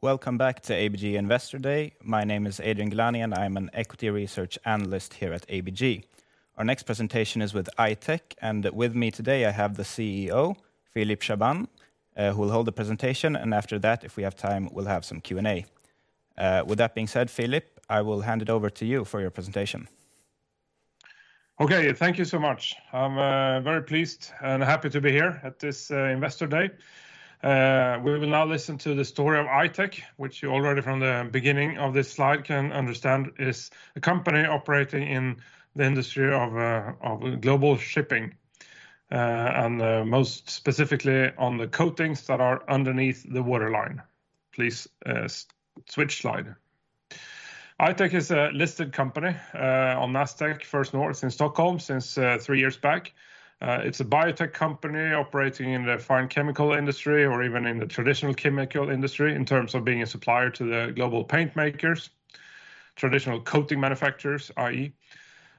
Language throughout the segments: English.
Welcome back to ABG Investor Day. My name is Adrian Gilani, and I'm an equity research analyst here at ABG. Our next presentation is with I-Tech, and with me today I have the CEO, Philip Chaabane, who will hold the presentation, and after that, if we have time, we'll have some Q&A. With that being said, Philip, I will hand it over to you for your presentation. Okay, thank you so much. I'm very pleased and happy to be here at this Investor Day. We will now listen to the story of I-Tech, which you already from the beginning of this slide can understand is a company operating in the industry of global shipping, and most specifically on the coatings that are underneath the waterline. Please switch slide. I-Tech is a listed company on Nasdaq First North in Stockholm since three years back. It's a biotech company operating in the fine chemical industry, or even in the traditional chemical industry, in terms of being a supplier to the global paint makers, traditional coating manufacturers, i.e.,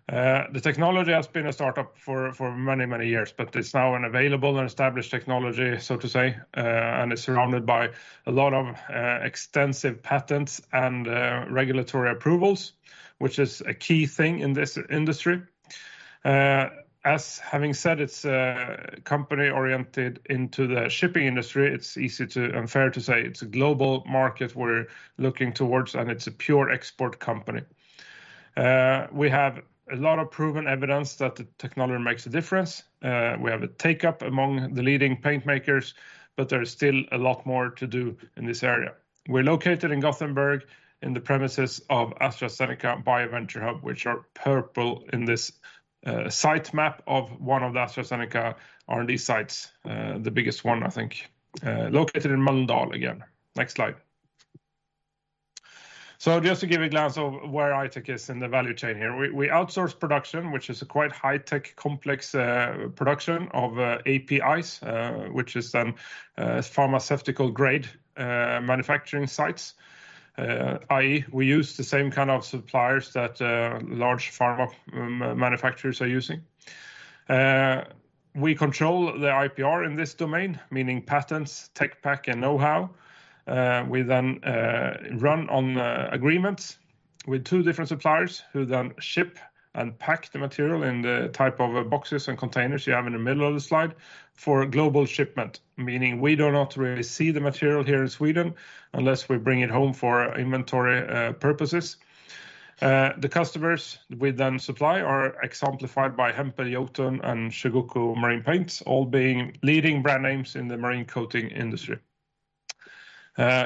the technology has been a startup for many, many years, but it's now an available and established technology, so to say, and it's surrounded by a lot of extensive patents and regulatory approvals, which is a key thing in this industry. As having said, it's company-oriented into the shipping industry. It's easy to and fair to say it's a global market we're looking towards, and it's a pure export company. We have a lot of proven evidence that the technology makes a difference. We have a take-up among the leading paint makers, but there's still a lot more to do in this area. We're located in Gothenburg, in the premises of AstraZeneca BioVenture Hub, which are purple in this site map of one of the AstraZeneca R&D sites, the biggest one, I think, located in Mölndal again. Next slide. So just to give a glance of where I-Tech is in the value chain here, we outsource production, which is a quite high-tech complex production of APIs, which is then pharmaceutical-grade manufacturing sites, i.e., we use the same kind of suppliers that large pharma manufacturers are using. We control the IPR in this domain, meaning patents, tech pack, and know-how. We then run on agreements with two different suppliers who then ship and pack the material in the type of boxes and containers you have in the middle of the slide for global shipment, meaning we do not really see the material here in Sweden unless we bring it home for inventory purposes. The customers we then supply are exemplified by Hempel, Jotun, and Chugoku Marine Paints, all being leading brand names in the marine coating industry.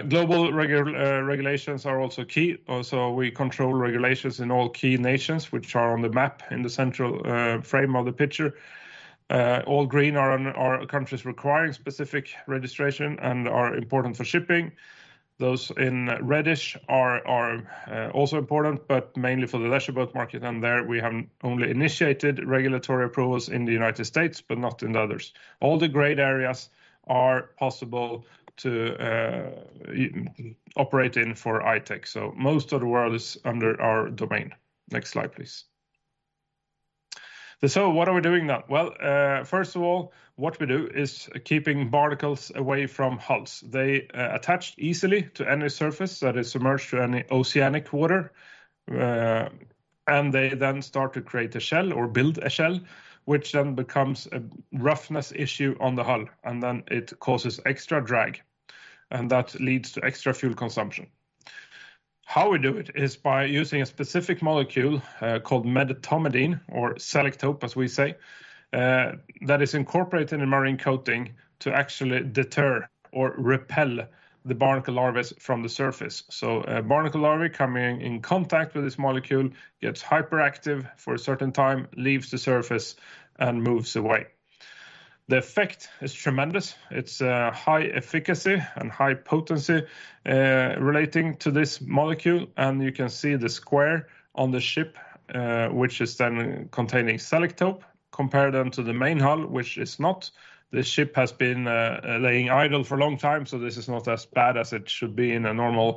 Global regulations are also key, so we control regulations in all key nations, which are on the map in the central frame of the picture. All green are countries requiring specific registration and are important for shipping. Those in reddish are also important, but mainly for the leisure boat market, and there we have only initiated regulatory approvals in the United States, but not in the others. All the gray areas are possible to operate in for I-Tech, so most of the world is under our domain. Next slide, please. So what are we doing now? Well, first of all, what we do is keeping barnacles away from hulls. They attach easily to any surface that is submerged to any oceanic water, and they then start to create a shell or build a shell, which then becomes a roughness issue on the hull, and then it causes extra drag, and that leads to extra fuel consumption. How we do it is by using a specific molecule called Medetomidine, or Selektope, as we say, that is incorporated in marine coating to actually deter or repel the barnacle larvae from the surface. So a barnacle larvae coming in contact with this molecule gets hyperactive for a certain time, leaves the surface, and moves away. The effect is tremendous. It's high efficacy and high potency relating to this molecule, and you can see the square on the ship, which is then containing Selektope, compared then to the main hull, which is not. The ship has been laying idle for a long time, so this is not as bad as it should be on a normal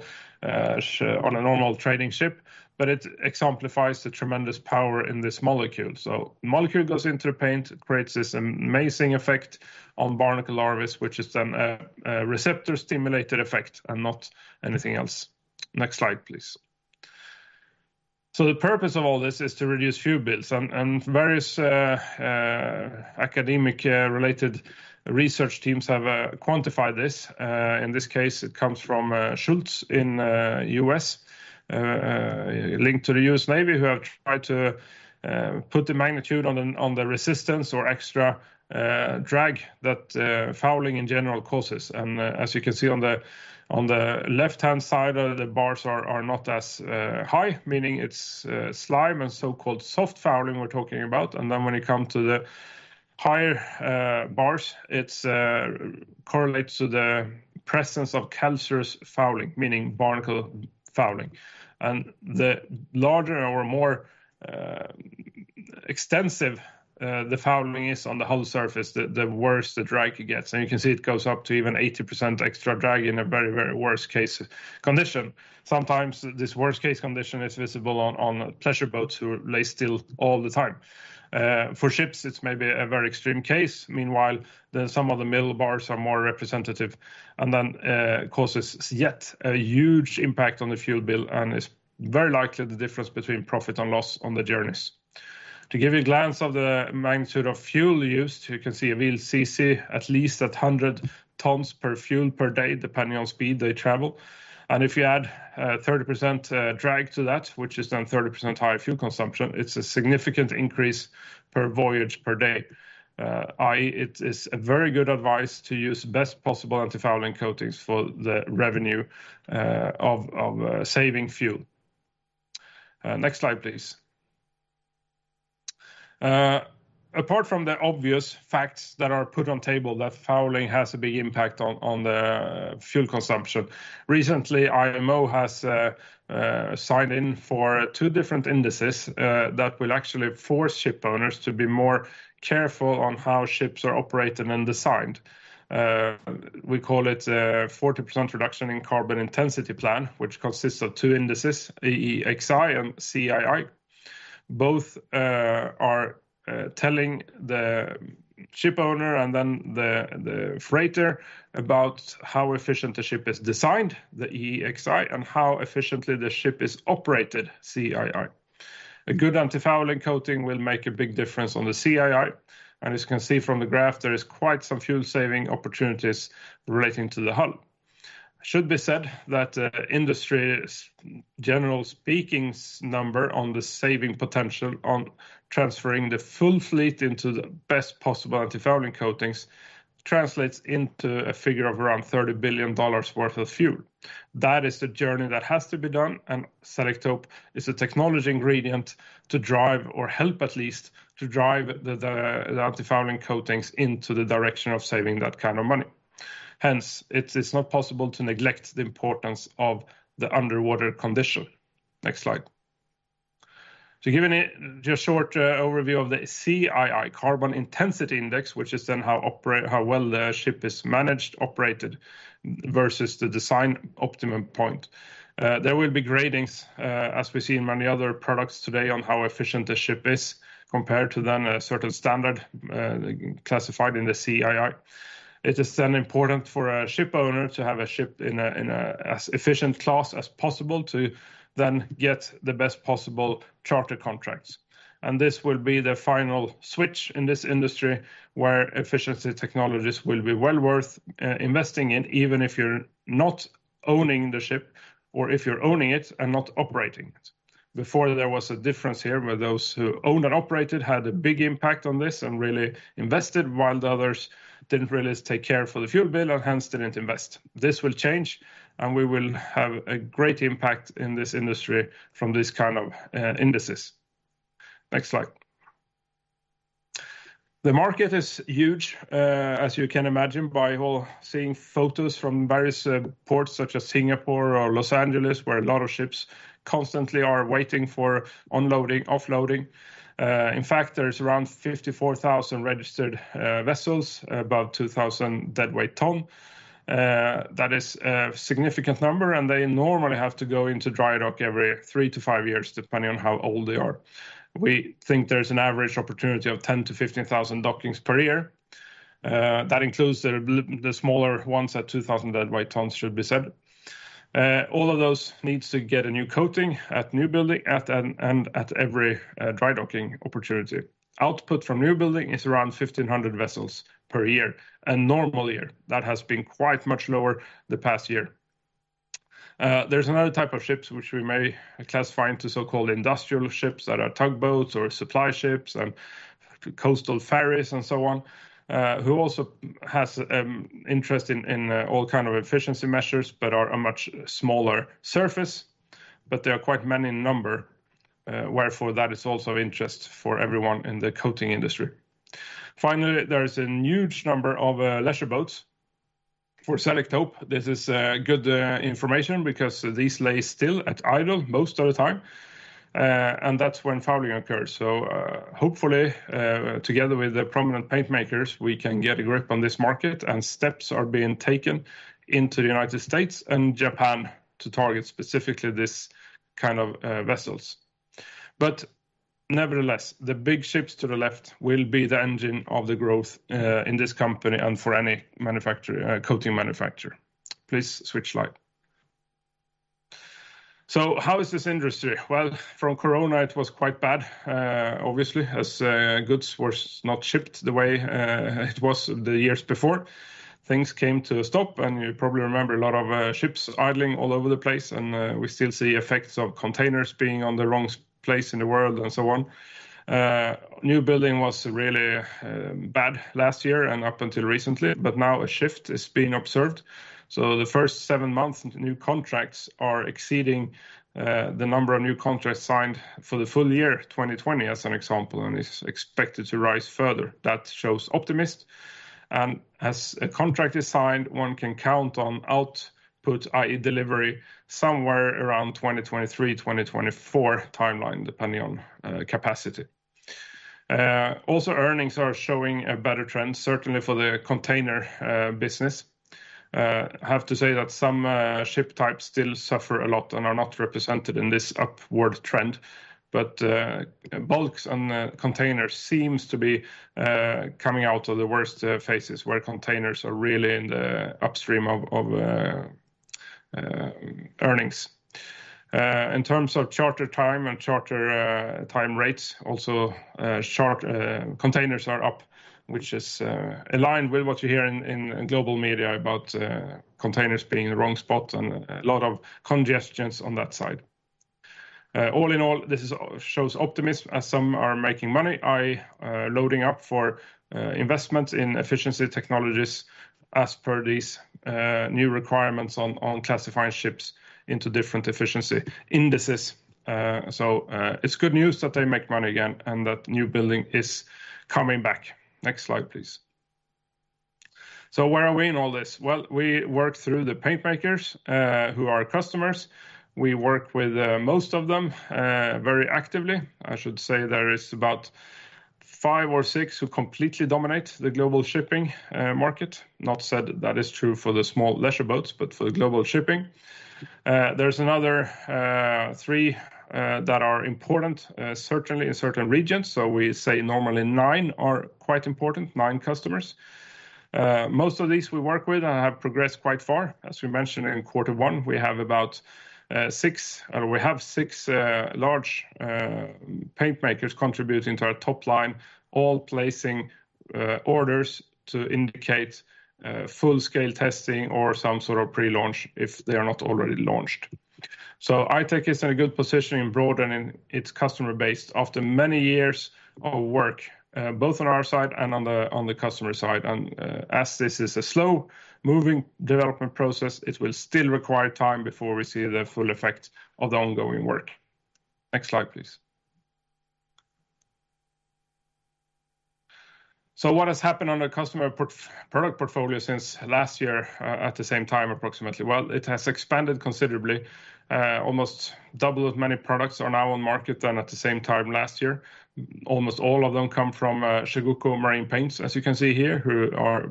trading ship, but it exemplifies the tremendous power in this molecule. The molecule goes into the paint, creates this amazing effect on barnacle larvae, which is then a receptor-stimulated effect and not anything else. Next slide, please. The purpose of all this is to reduce fuel bills, and various academic-related research teams have quantified this. In this case, it comes from Schultz in the U.S., linked to the U.S. Navy, who have tried to put the magnitude on the resistance or extra drag that fouling in general causes. As you can see on the left-hand side, the bars are not as high, meaning it's slime and so-called soft fouling we're talking about. Then when you come to the higher bars, it correlates to the presence of calcareous fouling, meaning barnacle fouling. The larger or more extensive the fouling is on the hull surface, the worse the drag gets. You can see it goes up to even 80% extra drag in a very, very worst-case condition. Sometimes this worst-case condition is visible on pleasure boats who lay still all the time. For ships, it's maybe a very extreme case. Meanwhile, then some of the middle bars are more representative and then causes yet a huge impact on the fuel bill and is very likely the difference between profit and loss on the journeys. To give you a glance of the magnitude of fuel used, you can see a VLCC at least at 100 tons of fuel per day, depending on speed they travel. If you add 30% drag to that, which is then 30% higher fuel consumption, it's a significant increase per voyage per day. It is very good advice to use best possible anti-fouling coatings for the revenue of saving fuel. Next slide, please. Apart from the obvious facts that are put on the table, that fouling has a big impact on the fuel consumption. Recently, IMO has signed in for two different indices that will actually force ship owners to be more careful on how ships are operated and designed. We call it a 40% reduction in carbon intensity plan, which consists of two indices, EEXI and CII. Both are telling the ship owner and then the freighter about how efficient the ship is designed, the EEXI, and how efficiently the ship is operated, CII. A good anti-fouling coating will make a big difference on the CII, and as you can see from the graph, there is quite some fuel-saving opportunities relating to the hull. It should be said that industry's general speaking number on the saving potential on transferring the full fleet into the best possible anti-fouling coatings translates into a figure of around $30 billion worth of fuel. That is the journey that has to be done, and Selektope is a technology ingredient to drive, or help at least, to drive the anti-fouling coatings into the direction of saving that kind of money. Hence, it's not possible to neglect the importance of the underwater condition. Next slide. To give you a short overview of the CII, Carbon Intensity Indicator, which is then how well the ship is managed, operated, versus the design optimum point. There will be gradings, as we see in many other products today, on how efficient the ship is compared to then a certain standard classified in the CII. It is then important for a ship owner to have a ship in as efficient class as possible to then get the best possible charter contracts, and this will be the final switch in this industry where efficiency technologies will be well worth investing in, even if you're not owning the ship or if you're owning it and not operating it. Before, there was a difference here where those who owned and operated had a big impact on this and really invested, while the others didn't really take care for the fuel bill and hence didn't invest. This will change, and we will have a great impact in this industry from these kind of indices. Next slide. The market is huge, as you can imagine by seeing photos from various ports such as Singapore or Los Angeles, where a lot of ships constantly are waiting for unloading, offloading. In fact, there's around 54,000 registered vessels, about 2,000 deadweight ton. That is a significant number, and they normally have to go into dry dock every three to five years, depending on how old they are. We think there's an average opportunity of 10,000-15,000 dockings per year. That includes the smaller ones at 2,000 deadweight tons, should be said. All of those need to get a new coating at new building and at every dry docking opportunity. Output from new building is around 1,500 vessels per year, a normal year. That has been quite much lower the past year. There's another type of ships, which we may classify into so-called industrial ships that are tugboats or supply ships and coastal ferries and so on, who also has an interest in all kinds of efficiency measures, but are a much smaller surface, but they are quite many in number, wherefore that is also of interest for everyone in the coating industry. Finally, there is a huge number of leisure boats for Selektope. This is good information because these lay still at idle most of the time, and that's when fouling occurs. So hopefully, together with the prominent paint makers, we can get a grip on this market, and steps are being taken into the United States and Japan to target specifically this kind of vessels. But nevertheless, the big ships to the left will be the engine of the growth in this company and for any coating manufacturer. Please switch slide. So, how is this industry? Well, from Corona, it was quite bad, obviously, as goods were not shipped the way it was the years before. Things came to a stop, and you probably remember a lot of ships idling all over the place, and we still see effects of containers being on the wrong place in the world and so on. New building was really bad last year and up until recently, but now a shift is being observed. So, the first seven months, new contracts are exceeding the number of new contracts signed for the full year, 2020, as an example, and is expected to rise further. That shows optimistic, and as a contract is signed, one can count on output, i.e., delivery somewhere around 2023, 2024 timeline, depending on capacity. Also, earnings are showing a better trend, certainly for the container business. I have to say that some ship types still suffer a lot and are not represented in this upward trend, but bulks and containers seem to be coming out of the worst phases where containers are really in the upstream of earnings. In terms of charter time and charter time rates, also containers are up, which is aligned with what you hear in global media about containers being in the wrong spot and a lot of congestions on that side. All in all, this shows optimism as some are making money, i.e., loading up for investments in efficiency technologies as per these new requirements on classifying ships into different efficiency indices. So it's good news that they make money again and that new building is coming back. Next slide, please. So where are we in all this? Well, we work through the paint makers who are customers. We work with most of them very actively. I should say there is about five or six who completely dominate the global shipping market. Not to say that is true for the small leisure boats, but for the global shipping. There's another three that are important, certainly in certain regions. So we say normally nine are quite important, nine customers. Most of these we work with and have progressed quite far. As we mentioned in quarter one, we have about six, or we have six large paint makers contributing to our top line, all placing orders to indicate full-scale testing or some sort of pre-launch if they are not already launched. So I-Tech is in a good position in broadening its customer base after many years of work, both on our side and on the customer side. As this is a slow-moving development process, it will still require time before we see the full effect of the ongoing work. Next slide, please. What has happened on the customer product portfolio since last year at the same time, approximately? It has expanded considerably. Almost double as many products are now on market than at the same time last year. Almost all of them come from Chugoku Marine Paints, as you can see here, who are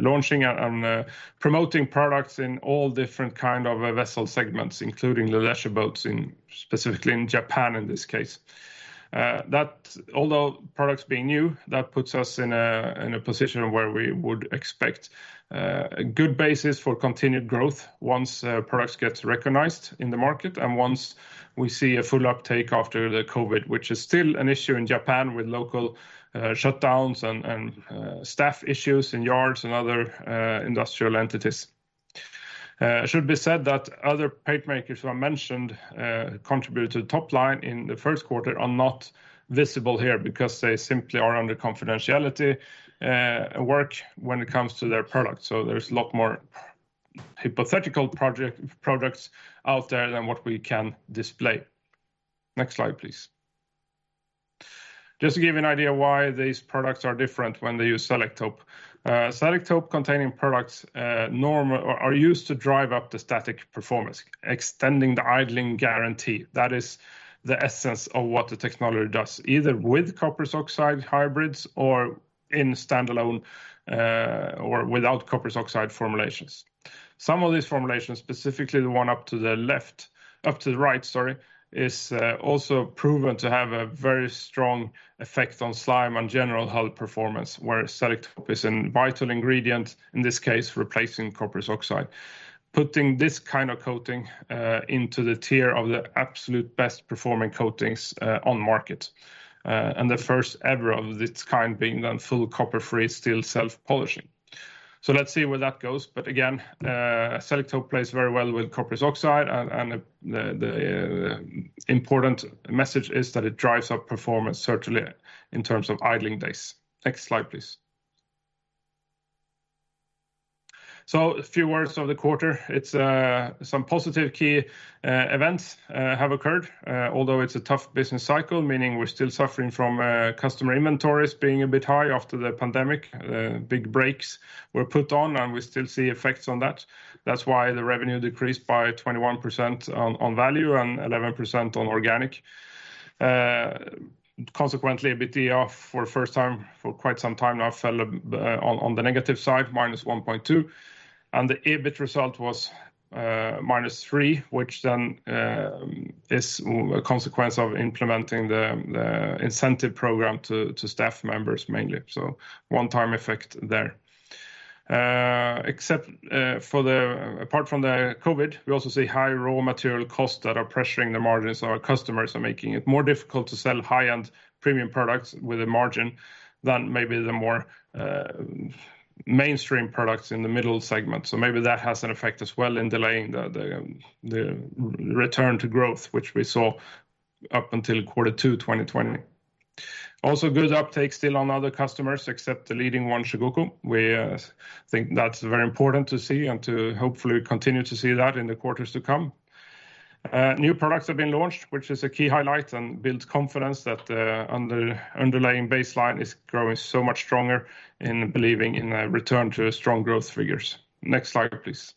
launching and promoting products in all different kinds of vessel segments, including the leisure boats, specifically in Japan in this case. Although products being new, that puts us in a position where we would expect a good basis for continued growth once products get recognized in the market and once we see a full uptake after the COVID, which is still an issue in Japan with local shutdowns and staff issues in yards and other industrial entities. It should be said that other paint makers who I mentioned contributed to the top line in the first quarter are not visible here because they simply are under confidentiality work when it comes to their products. So there's a lot more hypothetical products out there than what we can display. Next slide, please. Just to give you an idea why these products are different when they use Selektope. Selektope-containing products are used to drive up the static performance, extending the idling guarantee. That is the essence of what the technology does, either with copper sulfide hybrids or in standalone or without copper sulfide formulations. Some of these formulations, specifically the one up to the left, up to the right, sorry, is also proven to have a very strong effect on slime and general hull performance, where Selektope is a vital ingredient in this case, replacing copper sulfide, putting this kind of coating into the tier of the absolute best-performing coatings on market. And the first ever of its kind being done full copper-free, still self-polishing. So let's see where that goes. But again, Selektope plays very well with copper sulfide, and the important message is that it drives up performance, certainly in terms of idling days. Next slide, please. So a few words of the quarter. Some positive key events have occurred, although it's a tough business cycle, meaning we're still suffering from customer inventories being a bit high after the pandemic. Big breaks were put on, and we still see effects on that. That's why the revenue decreased by 21% on value and 11% on organic. Consequently, EBITDA for the first time for quite some time now fell on the negative side, -1.2. The EBIT result was -3, which then is a consequence of implementing the incentive program to staff members mainly. One-time effect there. Apart from the COVID, we also see high raw material costs that are pressuring the margins of our customers and making it more difficult to sell high-end premium products with a margin than maybe the more mainstream products in the middle segment. So maybe that has an effect as well in delaying the return to growth, which we saw up until quarter two, 2020. Also good uptake still on other customers, except the leading one, Chugoku. We think that's very important to see and to hopefully continue to see that in the quarters to come. New products have been launched, which is a key highlight and builds confidence that the underlying baseline is growing so much stronger in believing in a return to strong growth figures. Next slide, please.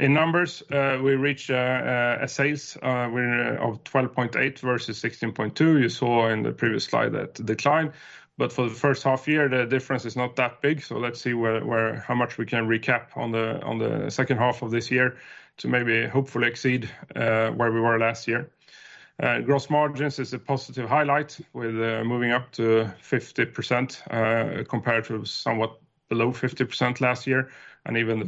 In numbers, we reached a sales of 12.8 versus 16.2. You saw in the previous slide that decline, but for the first half year, the difference is not that big. So let's see how much we can recap on the second half of this year to maybe hopefully exceed where we were last year. Gross margins is a positive highlight with moving up to 50% compared to somewhat below 50% last year and even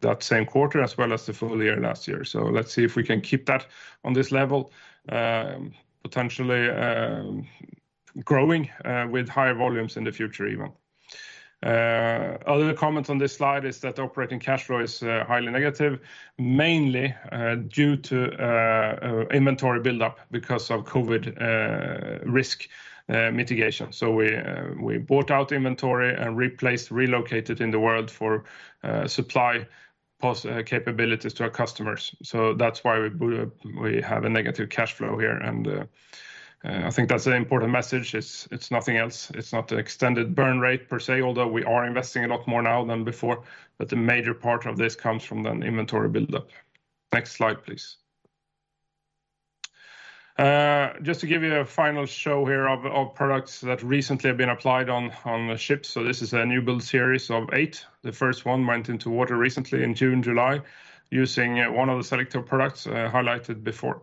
that same quarter as well as the full year last year. So let's see if we can keep that on this level, potentially growing with higher volumes in the future even. Other comments on this slide is that operating cash flow is highly negative, mainly due to inventory buildup because of COVID risk mitigation. So we bought out inventory and relocated in the world for supply capabilities to our customers. So that's why we have a negative cash flow here. And I think that's an important message. It's nothing else. It's not an extended burn rate per se, although we are investing a lot more now than before, but the major part of this comes from the inventory buildup. Next slide, please. Just to give you a final show here of products that recently have been applied on ships. So this is a new build series of eight. The first one went into water recently in June, July, using one of the Selektope products highlighted before.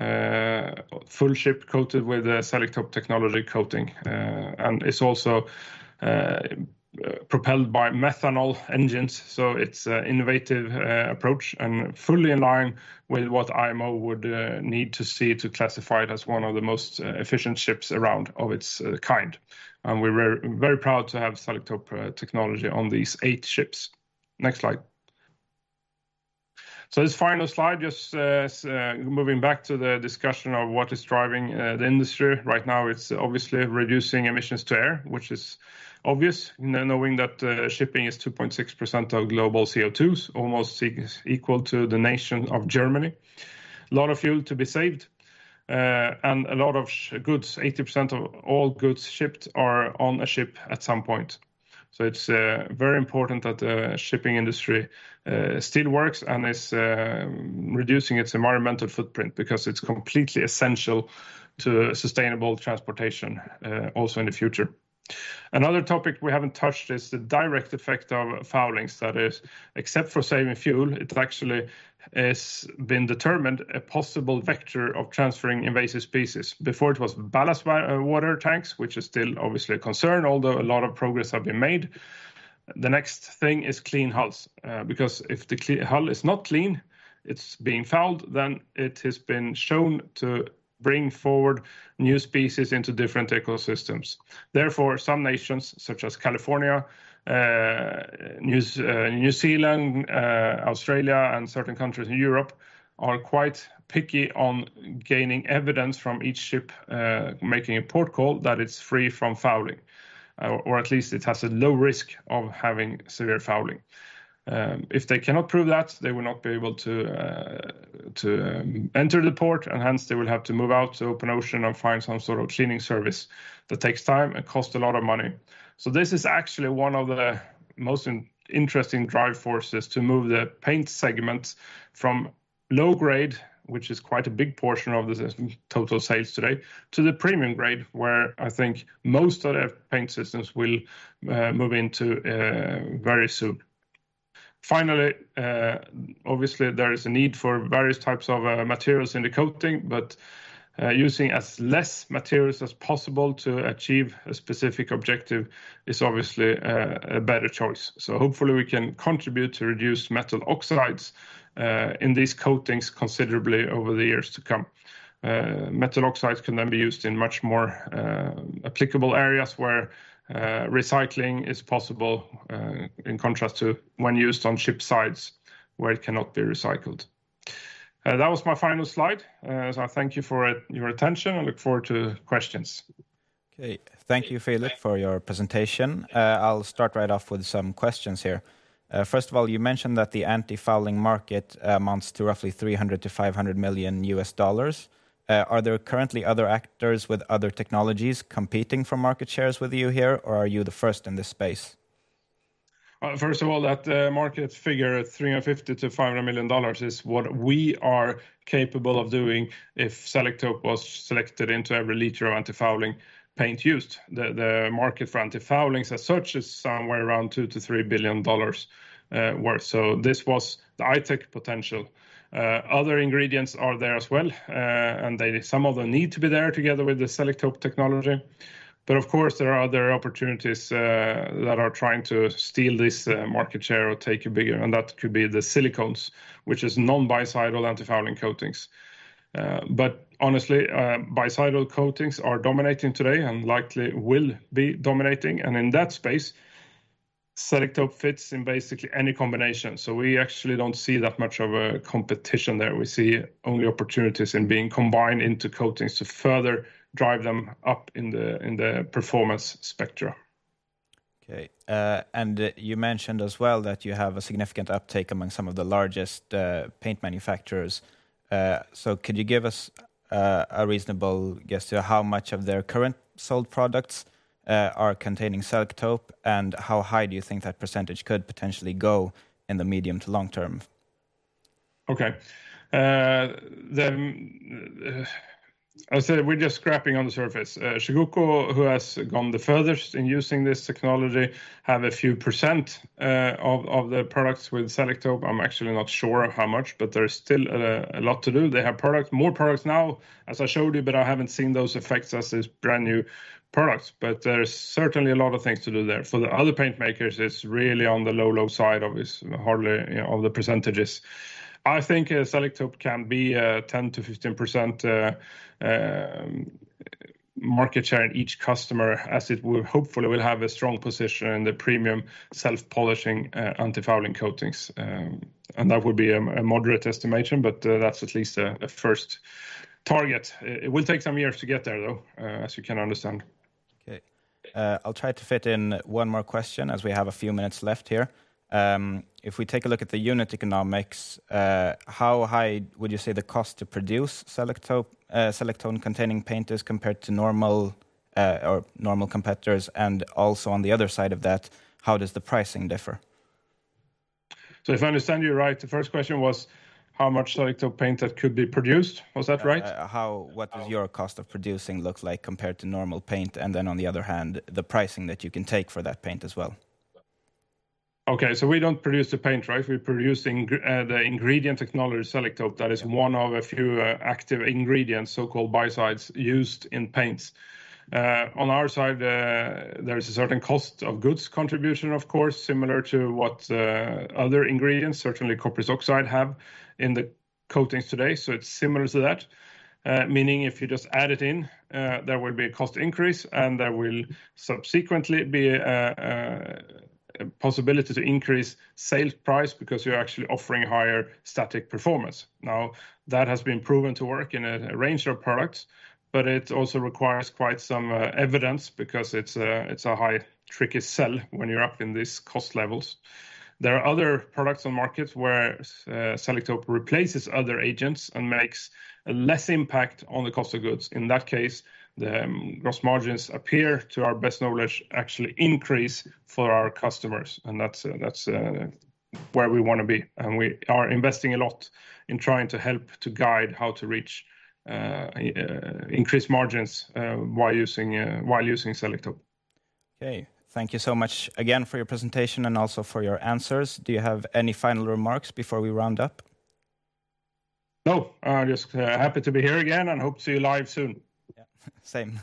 Full ship coated with Selektope technology coating, and it's also propelled by methanol engines. So it's an innovative approach and fully in line with what IMO would need to see to classify it as one of the most efficient ships around of its kind. And we're very proud to have Selektope technology on these eight ships. Next slide. So this final slide, just moving back to the discussion of what is driving the industry right now, it's obviously reducing emissions to air, which is obvious knowing that shipping is 2.6% of global CO2, almost equal to the nation of Germany. A lot of fuel to be saved and a lot of goods. 80% of all goods shipped are on a ship at some point, so it's very important that the shipping industry still works and is reducing its environmental footprint because it's completely essential to sustainable transportation also in the future. Another topic we haven't touched is the direct effect of fouling. That is, except for saving fuel, it actually has been determined a possible vector of transferring invasive species. Before, it was ballast water tanks, which is still obviously a concern, although a lot of progress has been made. The next thing is clean hulls. Because if the hull is not clean, it's being fouled, then it has been shown to bring forward new species into different ecosystems. Therefore, some nations, such as California, New Zealand, Australia, and certain countries in Europe, are quite picky on gaining evidence from each ship making a port call that it's free from fouling, or at least it has a low risk of having severe fouling. If they cannot prove that, they will not be able to enter the port, and hence they will have to move out to open ocean and find some sort of cleaning service that takes time and costs a lot of money, so this is actually one of the most interesting driving forces to move the paint segment from low grade, which is quite a big portion of the total sales today, to the premium grade, where I think most of the paint systems will move into very soon. Finally, obviously, there is a need for various types of materials in the coating, but using as few materials as possible to achieve a specific objective is obviously a better choice. So hopefully, we can contribute to reduced metal oxides in these coatings considerably over the years to come. Metal oxides can then be used in much more applicable areas where recycling is possible in contrast to when used on ship sides where it cannot be recycled. That was my final slide. So I thank you for your attention. I look forward to questions. Okay. Thank you, Philip, for your presentation. I'll start right off with some questions here. First of all, you mentioned that the anti-fouling market amounts to roughly $300 million-$500 million. Are there currently other actors with other technologies competing for market shares with you here, or are you the first in this space? First of all, that market figure, $350 million-$500 million, is what we are capable of doing if Selektope was selected into every liter of anti-fouling paint used. The market for anti-fouling as such is somewhere around $2 billion-$3 billion worth. So this was the I-Tech potential. Other ingredients are there as well, and some of them need to be there together with the Selektope technology. But of course, there are other opportunities that are trying to steal this market share or take it bigger. And that could be the silicones, which is non-biocidal anti-fouling coatings. But honestly, biocidal coatings are dominating today and likely will be dominating. And in that space, Selektope fits in basically any combination. So we actually don't see that much of a competition there. We see only opportunities in being combined into coatings to further drive them up in the performance spectrum. Okay. And you mentioned as well that you have a significant uptake among some of the largest paint manufacturers. So could you give us a reasonable guess to how much of their current sold products are containing Selektope, and how high do you think that percentage could potentially go in the medium to long term? Okay. I would say we're just scraping on the surface. Chugoku, who has gone the furthest in using this technology, have a few percent of the products with Selektope. I'm actually not sure how much, but there's still a lot to do. They have more products now, as I showed you, but I haven't seen those yet as these brand new products. But there's certainly a lot of things to do there. For the other paint makers, it's really on the low, low side of the percentages. I think Selektope can be 10%-15% market share in each customer as it hopefully will have a strong position in the premium self-polishing anti-fouling coatings. And that would be a moderate estimation, but that's at least a first target. It will take some years to get there, though, as you can understand. Okay. I'll try to fit in one more question as we have a few minutes left here. If we take a look at the unit economics, how high would you say the cost to produce Selektope-containing paint is compared to normal competitors? And also on the other side of that, how does the pricing differ? So if I understand you right, the first question was how much Selektope paint that could be produced. Was that right? What does your cost of producing look like compared to normal paint? And then on the other hand, the pricing that you can take for that paint as well. Okay. So we don't produce the paint, right? We're producing the ingredient technology Selektope. That is one of a few active ingredients, so-called biocides, used in paints. On our side, there is a certain cost of goods contribution, of course, similar to what other ingredients, certainly copper sulfide, have in the coatings today. So it's similar to that, meaning if you just add it in, there will be a cost increase, and there will subsequently be a possibility to increase sales price because you're actually offering higher static performance. Now, that has been proven to work in a range of products, but it also requires quite some evidence because it's a high, tricky sell when you're up in these cost levels. There are other products on the market where Selektope replaces other agents and makes less impact on the cost of goods. In that case, the gross margins appear, to our best knowledge, actually increase for our customers. And that's where we want to be. And we are investing a lot in trying to help to guide how to increase margins while using Selektope. Okay. Thank you so much again for your presentation and also for your answers. Do you have any final remarks before we round up? No. I'm just happy to be here again and hope to see you live soon. Yeah. Same.